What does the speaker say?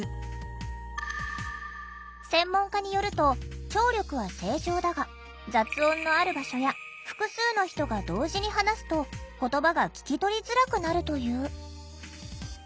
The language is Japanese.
専門家によると聴力は正常だが雑音のある場所や複数の人が同時に話すと言葉が聞き取りづらくなるという。